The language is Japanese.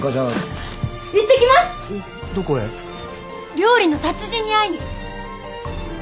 料理の達人に会いに。